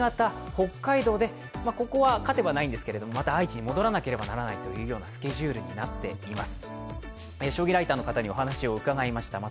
北海道で、ここは勝てばないんですけれどもまた愛知に戻らなければいけないというスケジュールになっています。